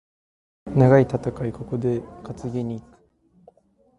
長い戦い、ここで担ぎに行く。